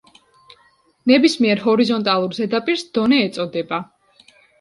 ნებისმიერ ჰორიზონტალურ ზედაპირს დონე ეწოდება.